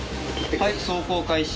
はい走行開始。